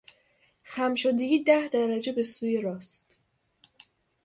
خم شدگی ده درجه به سوی راست